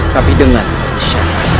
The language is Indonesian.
tapi dengan sedih